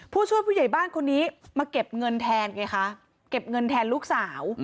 ผู้ช่วยผู้ใหญ่บ้านคนนี้มาเก็บเงินแทนไงคะเก็บเงินแทนลูกสาว